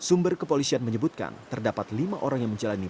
sumber kepolisian menyebutkan terdapat lima orang yang menjalani